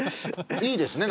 いいですね。